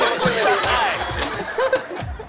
ไม่ต้องกลับไปดึง